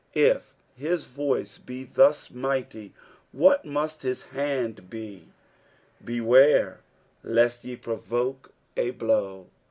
If his voice be thus mighty, what must his hand be ! beware lest ye provoke a blow.